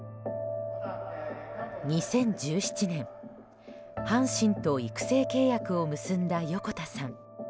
２０１７年、阪神と育成契約を結んだ横田さん。